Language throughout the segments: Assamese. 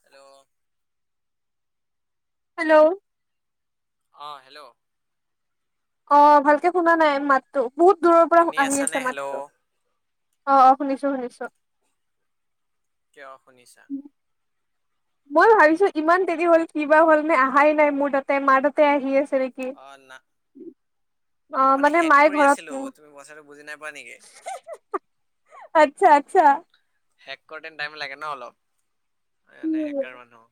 হেল্ল' হেল্ল' অঁ হেল্ল' অ ভালকে শুনা নাই মাতো বহুত দূৰৰ পৰা শুনি আহি আছানে আছে হেল্ল' মাততো অ অ শুনিছো চৰেছ কিয় শুনিছা মই ভাবিছো ইমান দেৰি হ'ল ক বাা হ'ল নে অহাই নাই মোৰ তাতে মাৰ তাতে আহি আছে তকে অ না মই মানে শেষ কৰি আছিলো তুমি কথাাটো বুজি নাপাপোৱা নেকি আচ্ছা আচ্ছা হেক কৰতে টাইম লাগে ন অলপ হেকাৰ উম মানুহ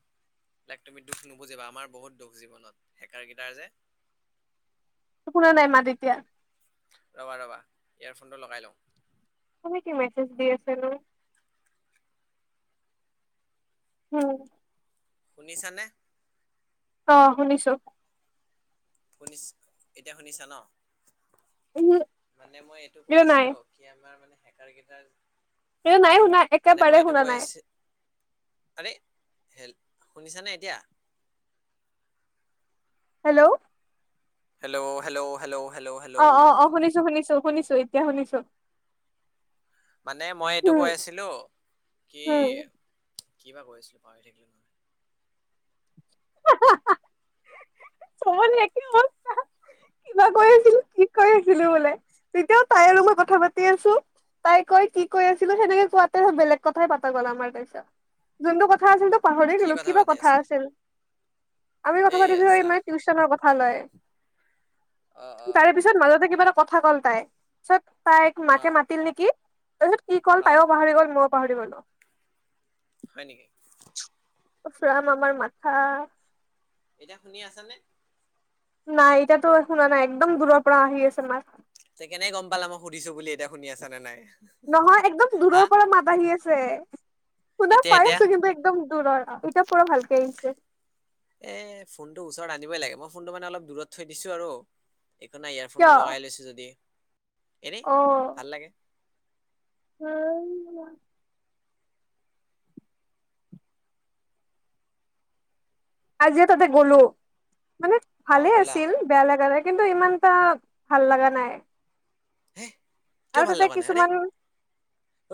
তাইক তুমি দুখ নুবুজিবা আমাৰ বহুত দুখ জীৱনত হেকাৰকেইটাৰ যে কোোনো নাই মা এতিয়া ৰবা ৰবা ইয়োৰফোনটো লগাই লওঁ তুমি কি মেছেজ দিিয় আছ উম শুনিছানে? অ', শুনিছো। শুনিছ এতিয়া শুনিছা ন? মানে মই এইটো কৈ কিয় নাই আছিলো। কি আমাৰ মানে হেকাৰ কেইটাৰ। এই নাই শুনা মানে মই একেবাৰে এইটো শুনা কৈ নাই। আছি আৰে হেল শুনিছানে এতিয়া? Hello hello hello hello. অ', অ', হেল্ল' অ', শুনিছো, শুনিছো, শুনিছো এতিয়া শুনিছো। মানে মই এইটো উম কৈ আছিলো কি। উম কি বা কৈ আছিলো পাহৰি থাকিলো নহয়। [inaudible] চব একে অৱস্থা কিবা কৈ আছিলো। কি কয় আছিলো বোলে তেতিয়াও তাই আৰু মই কথা পাতি আছো। তাই কৈ কি কৈ আছিলো সেনেকে কোৱাতে বেলেগ কথাই পাতা গ'ল আমাৰ তাৰপিছত যোনটো কথা আছিলতো। পাহৰি কি গ'লো কিবা পাতি কথা আছিলা আছিল আমি কথা এই পাতি আছা ইমান। টিউচনৰ কথা লয় অ অ তাৰে পিছত মাজতে কিবা এটা। কথা ক'ল তাই পিছত তাইক অ মাকে মাতিল নেকি তাৰপিছত কি ক'ল অ তাইও পাহৰি গ'ল মইও। পাহৰি গ'লো। হয় নেকি। উফ ৰাম আমাৰ মাথা। এতিয়া শুনি আছা নে? নাই এতিয়াটো শুনা নাই একদম দূৰৰ পৰা আহি আছে মাত। তে কেনেকে গম পালা মই সুধিছো বুলি এতিয়া শুনি আছা নে নাই। নহয় একদম হা দূৰৰ পৰা মাত আহি আছে। শুনা এতিয়া পাই এতিয়া আছো কিন্তু একদম দূৰৰ এতিয়া পুৰা ভালকে আহিছে। এ ফোনটো ওচৰত আনিবই লাগে মই ফোনটো মানে অলপ দূৰত থৈ দিছো আৰু। একো নাই কিয় ইয়াৰফোনটো লগাই লৈছা যদি। এনে অ' ভাল লাগে। [unintelligible] আজিয়ে তাতে গ'লো মানে অ ভালে গ'লা আছিল বেয়া লাগা নাই। কিন্তু ইমান এটা ভাল লাগা নাই। হে। কিয় আৰু ভাল তাতে লগা নাই আৰে কিছুমান।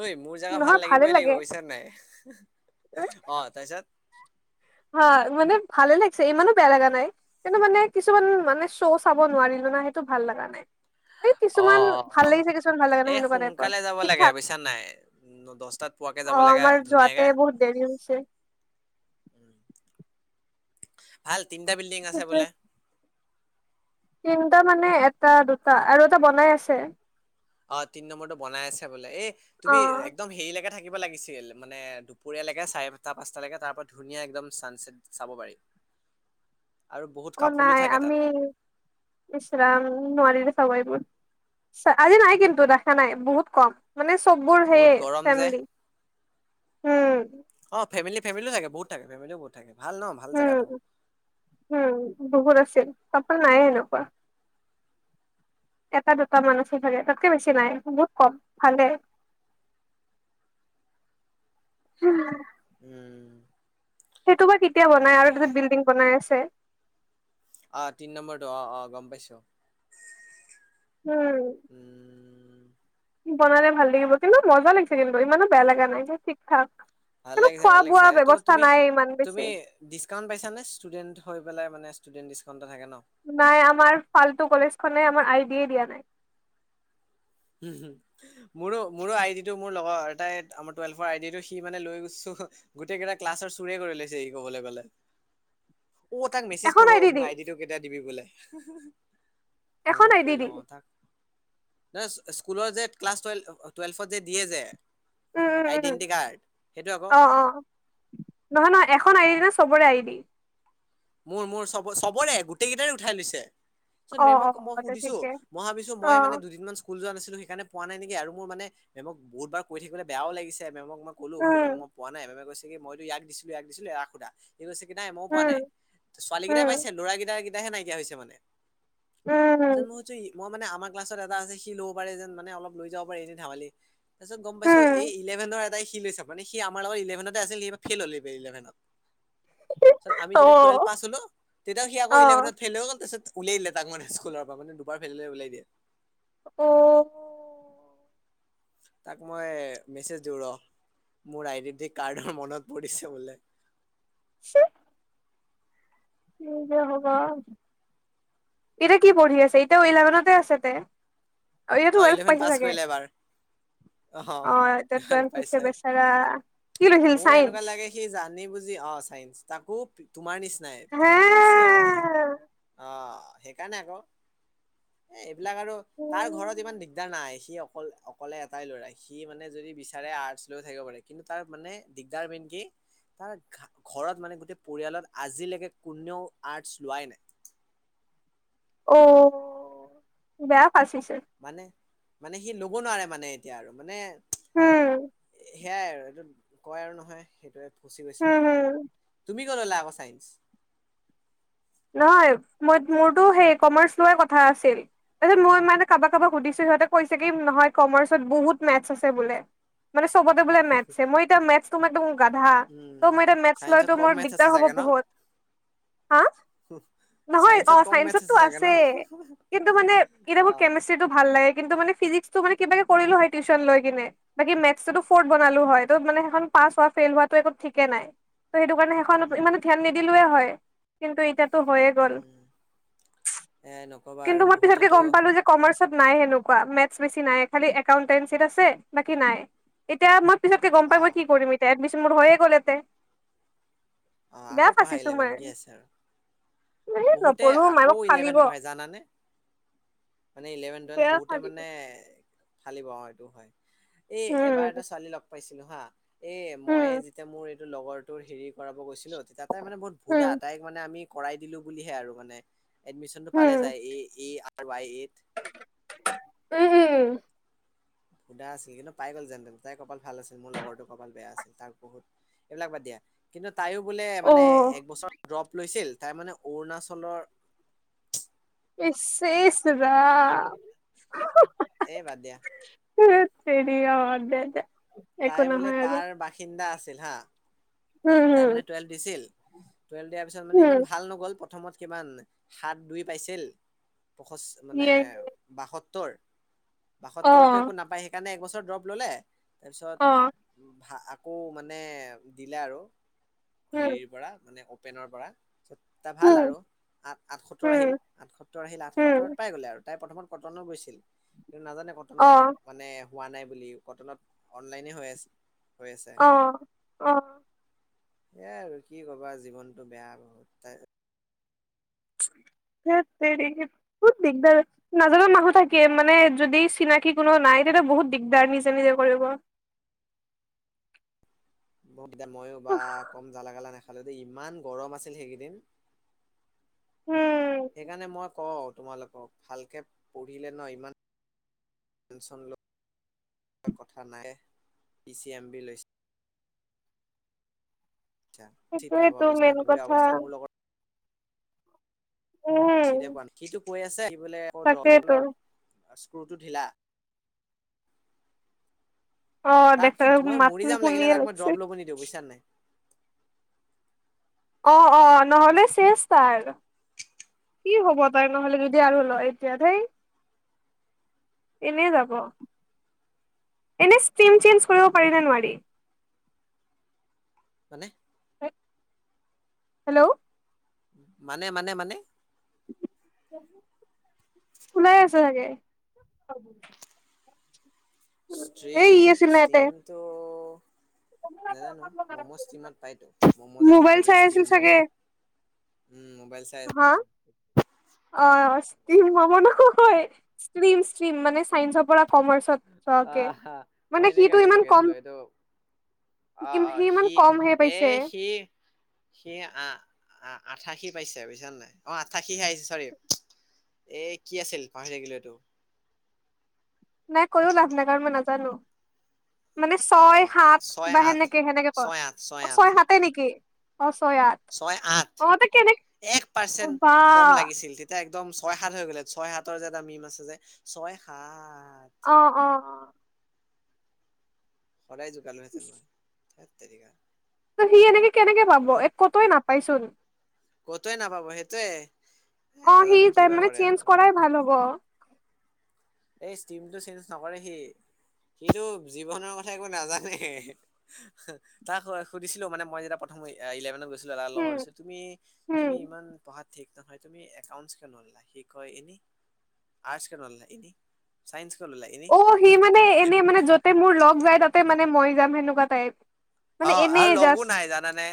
ঐ মোৰ জাগা ভাল নহয় ভালে লাগিবই লাগিব লাগে বুজিছা নে নাই অ তাৰপিছত। হা মানে। ভালে লাগিছে ইমানো বেয়া লাগা নাই কিন্তু মানে কিছুমান মানে শ্ব' চাব নোৱাৰিলো না সেইটো ভাল লগা নাই। এই অ কিছুমান অ ভাল অ লাগিছে কিছুমান ভাল লাগা এ নাই সেনেকুৱা টাইপৰ সোনকালে যাব ঠিক লাগে থাক। বুজিছা নাই ন- দহটাত পোৱাকে যাব অ', লাগে আমাৰ যোৱাতে ধুনীয়াকে বহুত দেৰি হৈছে। ভাল তিনিটা বিল্ডিং আছে বোলে। তিনিটা মানে এটা, দুটা আৰু এটা বনাই আছে। অ', তিনি নম্বৰটো বনাই আছে বোলে এই তুমি অ' একদম হেৰি লৈকে থাকি। থাকিব লাগিছিল মানে দুপৰীয়ালৈকে চাৰিটা পাঁচটালৈকে তাৰ পৰা ধুনীয়া একদম চানচেটটো চাব পাৰি। [inaudible] একো কাপোলো নাই থাকে তাত আমি ইচ ৰাম নোৱাৰি। হ'ব এইবোৰ আজি নাই কিন্তু দেখা নাই বহুত কম। মানে চব বোৰ সেইয়ে বহুত গৰম যে ফেমলি উম। ফেমেলি, ফেমেলি থাকে বহুত থাকে ফেমেলি ও বহুত থাকে। ভাল ন ভাল উম, জেগাটো হম বহুত আছিল কাপল নাই এ এনেকুৱা। এটা দুটা মানহে আছিল চাগে তাতকে বেছি নাই বহুত কম ভালে। উম। উম। সেইটো বা কেতিয়া বনাই আহ আৰু এটা যে বিল্ডিং বনাই আছে। অহ তিনি নম্বৰটো অ অ গম পাইছোঁ। উম। বনালে ভাল লাগিব কিন্তু মজা লাগিছে কিন্তু ইমানো বেয়া লগা নাই ঠিক ঠাক। ভাল কিন্তু লাগিছে খোৱা ভাল লাগিছে বোৱা এ ত ব্যৱস্থা তুমি। নাই ইমান বেছি তুমি ডিছকাউণ্ট পাইছা নে ষ্টুডেণ্ট হৈ পেলাই মানে ষ্টুডেণ্ট ডিছকাউণ্ট। এটা থাকে ন নাই আমাৰ ফাল্টু কলেজ খনে আমাৰ আইডিয়ে দিয়া নাই। মোৰো মোৰো আইডিটো মোৰ লগৰ এটাই আম টুৱেলভৰ আইডিটো সি মানে লৈ গৈছে। গোটেই কেইটা ক্লাছৰ চোৰে কৰি লৈছে সি ক'বলৈ গ'লে। অ তাক মেছেজ এখন আই কৰোঁ ডি দি মোক আইডিটো কেতিয়া দিবি বোলে। এখন মনত আই ডি পৰিল দি অ তাক। স্কুলৰ যে ক্লাছটেল টুৱেলভত যে দিয়ে যে। উম, উম, উম আইডেন্টি কাৰ্ড সেইটো আকৌ অ' অ' নহয় নহয় এখন আহ সবৰে আই দি মোৰ মোৰ চব চবৰে গোটেই কেইটাৰে উঠাই লৈছে। চোন অ অ মেমক মই অ তে সুধিছো ঠিকে মই ভাবিছো অ মই মানে দুদিনমান স্কুল যোৱা নাছিলো সেইকাৰণে পোৱা নাই নেকি মোৰানে মেমক বহুত বাৰ ক থাকিব বেও লাগিছে মেমক মই কলো কি উম মেম মই প নাই মমে কৈছে মইতোয়াক দিছিলো ইয়াক দিছিলো এৰা সধা কৈছে কি নাই মইও পোৱা উম নাই ছোৱালী কেইটাই উম পাইছে ল'ৰাকেইটা কেইটাহে নাইকিয়া হৈছে মানে উম মইো মই মানে আমাৰ ক্লাছত এটা আছে সি ল'ব পাৰে যেন মানে অলপ লৈ যাব পাৰে এনে ধেমালি। তাৰপিছত গম পাইছোঁ এই উম ইলেভেনৰ এটাই সি। কি লৈছা মানে সি আমাৰ লগত ইলেভেনতে আছিল সি এইবাৰ ফেইল হ'ল ইলেভেনত আমি অ যেতিয়া। টুৱেলভ পাছ হ'লো তেতিয়া সি অ আকৌ ইলেভেনত ফেইল হৈ গ'ল তাৰপিছত। উলিয়াই দিলে তাক মানে স্কুলৰ পৰা মানে দুবাৰ ফেল হলে উলাই দিয়ে। অ। তাক মই। মোৰ আইডেন্টিটি কাৰ্ডৰ মনত পৰিছে বোলে। [inaudible] কি যে হ'ব। এতিয়া কি পঢ়ি আছে এতিয়া ইলেভেনতে আছে তে। আৰু ইয়াতো অ ৱেলভ ইলেভেন পাইছে পাছ চাগে। কৰিলে এবাৰ অ', এতিয়া টুৱেলভ ট হৈছে পাইছে ববেচাৰা কি কৰিৈছিল মোৰ চাইন্স। এনেকুৱা লাগে সি জানি অ', চাইস তাকো তোমাৰ নিচিনাই হে পি চি এম বি অ'। সেইকাৰণে আকৌ এ এইবিলাক আৰু তাৰ ঘৰত ইমান উম দিগদাৰ নাই। সি অকল অকলে এটাই ল'ৰা সি মানে যদি বিচাৰে আৰ্টছ লৈ থাকিব পাৰে কিন্তু তাৰ মানে দিগদাৰ মেইন তাৰ ঘৰত মানে গোটেই পৰিয়ালত আজিলৈকে কোনেও আৰ্টচ লোৱাই নাই [inaudible] অ', বেয়া ফাচিছে। মানে মানে সি ল'ব নোৱাৰে মানে এতিয়া আৰু মানে উম সেয়াই আৰু এইটো কয় আৰু নহয় সেইটোে ফচি গৈছে হম মানে হম তুমি কি ন লাব চাইন্ঞ্চ নহয় মই মোৰতো সেই কমাৰ্চ লোৱাৰ কথা আছিল তাৰপিছত মই মানে কাৰোবাক কাৰোবাক সুধিছিলো ব চবতে বো মেছে মই এ ম তোমাৰ গাধা উম ত মই এতিয়া মেথছ চাইন্সত লৈতো কম মোৰ মেথছ আছে দিগদাৰ হ'ব বহুত হা স নহয় অ চাইন্সতটো আছে কিন্তু মানে কি অ মোৰ কেমেষ্ট্ৰিটো ভাল লাগে কিন্তু মানে ফিজিকস তো মানে কিবাকে কৰিলোঁ হয় টিউচন লৈ কিনে, বাকী মেটচটোতো ফৰ্থ বনালো হয়। ত'ত মানে সেইখন পাছ হোৱা ফেইল হোৱাত তো একো ঠিকে নাই, তো সেইটো কাৰণে সেইখনত উম ইমানে ধ্যান নিদিলোৱে হয়। কিন্তু এতিয়া তো হৈয়ে গ'ল উম এ নকবা কিন্তু, আৰু মই পিছতকে বহুতেতো গম পালোঁ যে কামাৰ্চ নাই হেনো কয়া, মেটচ বেছি নাই। খালী একাউণ্টেঞ্চিত আছে, বাকী নাই। এতিয়া মই পিছতকে গম পাই অ মই কি কৰিম এতিয়া? এডমিশ্যন মোৰ হৈয়ে গ'ল এতে। অ, আকৌ পঢ়া ইলেভেন কি আছে আৰু? এই বহুতে নপঢ়ো মাই মোক আকৌ ইলেভেন ফালিব পঢ়ে জানানে? মানে ইলেভেন টুৱেলভ বেয়া বহুতে ফালিব মানে ফালিব অ, এইটো হয়। এই এবাৰ এটা উম ছোৱালী লগ পাইছিলো হা। এ মই উম যেতিয়া মোৰ এইটো লগৰটোৰ হেৰি কৰাব গৈছিলো। [unintelligible] তেতিয়া তাই মানে বহত ভূদা, উম তাইক মানে আমি কৰাই দিলোঁ বুলিহে আৰু মানে এডমিচনটো পালে উম তাই এ ই আৰ ৱাই এত উম উম ভূদা আছিল, কিন্তু পাই গ'ল যেন-তেন। তাই কপাল ভাল আছিল, মোৰ লগৰটো কপাল বেয়া আছিল। তাক বহুত এইবিলাক বাদ দিয়া কিন্তু, তাইও বোলে অ মানে এক বছৰ ড্ৰপ লৈছিল। তাই মানে অৰুণাচলৰ ইছ চেইছ ৰাম। এই বাদ দিয়া। [unintelligible] তাই বোলে নহয় আৰু তাৰ বাসিন্দা আছিল হা। উম তাই হম মানে টুৱেলভ দিছিল। টুৱেলভ দিয়াৰ পিছত মানে হম ইমান ভাল নগ'ল প্ৰথমত কিমান? সাত দুই পাইছিল। পষছ মানে ইয়ে বাসত্তৰ অ বাসত্তৰটো একো নাপায়, সেইকাৰণে একো চ ট ড্ৰপ ল'লে, অ তাৰপিছত হা আকৌ মানে দিলে আৰু হম হেৰিৰ পৰা মানে অপেনৰ পৰা তা ভাল হম আৰু আঠ আঠসত্তৰ হম আহিল আঠসত্তৰ আহিল আঠসত্তৰ হম পাই গ'লে আৰু তাই প্ৰথমত কটনো গৈছিল কিন্তু নাজানে কটনত অ মানে হোৱা নাই বুলি কটনত অনলাইনে হৈ আছে। হৈ আছে অ, অ। এয়াই আৰু কি ক'বা জীৱনতটো বেয়া বহুত তাইৰ। [inaudible] [unintelligible] বহুত দিগদাৰ নাজানা মানুহ থাকে মানে যদি চিনাকি কোনো নাই। সেটোৱে বহুত দিগদাৰ নিজে নিজে কৰিব। বহুগিতা ময়ো বা কম জালা-গালা নেখা যদি ইমান গৰম আছিল সেইকেইদিন। সেইকাৰণে মই কওঁ তোমালোকক ভালকে পঢ়িলে ন ইমান পেঞ্চন ল [inaudible] কথা নাই পি চি এম বি লৈছে। [unintelligible] সেইটোয়েতো মেইন কথা অৱস্থা মোৰ লগত [unintelligible] উম সিটো কৈ আছে তাকেইতো [unintelligible] ক্ৰুটো ঢিলা। অ দেখা তাকতো মই মাত মৰি যাম লাগিলে শুনিয়ে তাক মই লাগিছে ড্ৰপ ল'ব নিদিওঁ বুইছান নাই? অ, অ। নহ'লে চেচ তাৰ কি হ'ব তাই নহ'লে যদি আৰু ল এতিয়া ধেই। এনেই যাব। এনে ষ্টীম চেঞ্জ কৰিব পাৰিনে নোৱাৰি? মানে? হেল্ল' মানে, মানে, মানে? খোলাই আছে চাগে। এই ই ষ্ট্ৰীম, আছিল ন ইয়াতে ষ্ট্ৰীমটো' নাজানো ম'ম' ষ্টিমত পাইটো, ম'ম' যে থাকে মোবাইল যে চাই ষ্টিম আছিল ম'ম'। চাগে। উম, মোবাইল চাই হা আছিলো। অ ষ্টিম ম'ম' নহয় ষ্ট্ৰীম ষ্ট্ৰীম মানে চাইন্সৰ পৰা কমাৰ্চত চোৱাকে আহ হা মানে সিটো ইমান কম সি অ অ ইমান সি কম হে এ পাইছে। সি সি আহ অ আঠাশী পাইছে বুইছান নাই অ আঠাশী হে আহিছে চৰি এ কি আছিল পাহৰি থাকিলোটো নাই কৈও লাভ নাই কাৰণ মই নাজানো মানে অ ছয় অ সাত ছয় বা আঠ সেনেকে সেনেকে ক ছয় আঠ অ আঠ ছয় সাতে নেকি অ ছয় আঠ ছয় আঠ অ' তে কেনে এক অ' পাৰ্চেণ্ট বা কম লাগিছিল তেতিয়া এক দম ছয় সাত হৈ গ'লে ছয় সাতৰ যে এটা মিম আছে যে ছয় সাত অ অ অ সদায় জুকালো হেতেন মই ধেত তেৰিকা ত সি এনেকে কেনেকে পাব এক কতয়ে নাপাইচোন কতৱে নাপাব সেইটোৱে এ অহ' নাজানো সি কিবা তাৰমানে কৰে আৰু চেঞ্জ কৰাই ভাল হ'ব। এই ষ্টিমটো চেঞ্জ নকৰে সি। কিন্তু জীৱনৰ কথা একো নাজানে। তাক সুধিছিলোঁ মানে মই যেতিয়া প্ৰথম ইলেভেনত গৈছো এটাৰ উম, লগত তুমি, তুমি উম। ইমান ঠিক নহয় তুমি একাউণ্টছ কিয় নললা, সি কয় এনেই আৰ্টছ কিয় নললা এনেই। চাইন্স। কিয় ললা এনেই অহ' সি মানে এনেই মানে যতে মোৰ লগ যায়, তাতে মানে মই যাম সেনেকুৱা টাইপ। মানে অ আৰু এনেই লগো জাষ্ট নাই জানানে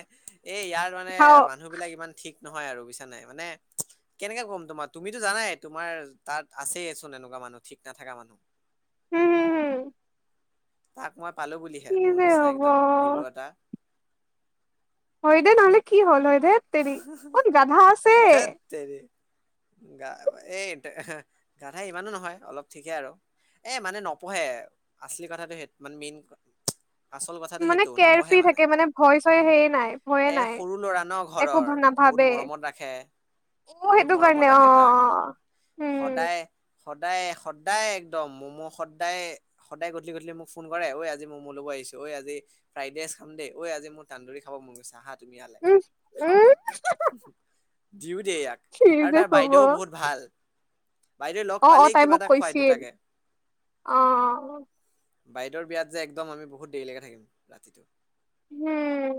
এই ইয়াৰ মানে হাও মানুহ বিলাক ইমান ঠিক নহয় আৰু বিছা নাই মানে কেনেকে কম তোমাক তুমিতো জানাই তোমাৰ তাত আছেইচোন এনেকুৱা মানুহ ঠিক নাথকা মানুহ হম হম হম তাক মই পালো বুলিহে কি মোৰ যে নিচিনা হব একদম হিৰো এটা হয় দে নহলে কি হ'ল হয় ধেত তেৰি অকন গাধা আছে ধেৎ তেৰি। গা এই গাধা ইমানো নহয় অলপ ঠিকে আৰু এ মানে নপঢ়ে আচলি কথাটো সেই মানে মেইন আচল কথাটো মানে সেইটো কেয়াৰ নপঢ়ে ফ্ৰী থাকে, মানে ভয় চয় সেয়ে নাই, ভয়ে এ নাই। সৰু ল'ৰা ন ঘৰৰ, বহুত মৰমত ৰাখে। উম' বহুত সেইটো মৰমত কাৰণে ৰাখে অহ, তাক অহ, উম। সদায় সদায় সদায় একদম ম'ম' সদায়, সদায় গধূলি-গধুলি মোক ফোন কৰে ঐ আজি ম'ম' ল'ব ঐ আজি ফ্ৰাইড ৰাইচ খাম দেই, ঐ মোৰ তান্দোৰি খাব মন গৈছে, আহা তুমি ইয়ালে। উম খাওঁ। উম দিওঁ দেই ইয়াক কি আৰু যে তাৰ বাইদেউও বহুত ভাল। বাইদেউ লগ অহ', পালেই অহ' তাই কিবা মোক এটা খুৱাই কৈছিল দুটাকে অহ। বাইদেউৰ বিয়াত যে একদম আমি বহুত দেৰিলৈকে থাকিম, ৰাতিটো। হম।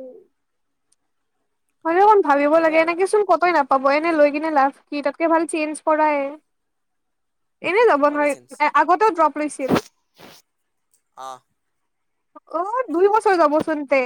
হয় অকন ভাবিব ঠিকে লাগে, আৰু এনেকেোন কতো নাপায়। কবই নে, লৈ কিনে লাভ কি তাতকে ভাল চেঞ্জ কৰায়ে। এনে যাব নকৰে নোৱাৰি, চেঞ্জ আগতেও ড্ৰপ লৈছিল। অ অহ' দুই বছৰ যাবচোন তে।